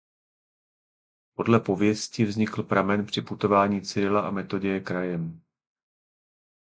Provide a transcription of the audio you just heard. Podle pověsti vznikl pramen při putování Cyrila a Metoděje krajem.